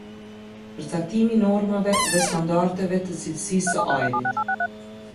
Përcaktimi i normave dhe standardeve të cilësisë së ajrit.